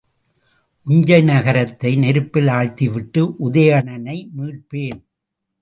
உஞ்சை நகரத்தை நெருப்பில் ஆழ்த்திவிட்டு உதயணனை மீட்பேன்.